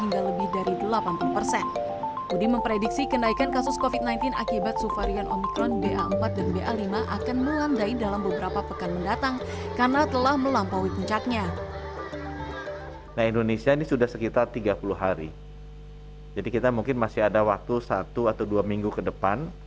nah indonesia ini sudah sekitar tiga puluh hari jadi kita mungkin masih ada waktu satu atau dua minggu ke depan